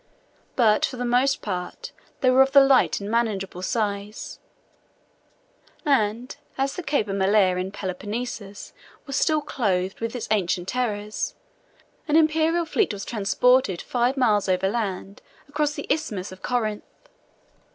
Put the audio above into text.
But for the most part they were of the light and manageable size; and as the Cape of Malea in Peloponnesus was still clothed with its ancient terrors, an Imperial fleet was transported five miles over land across the Isthmus of Corinth.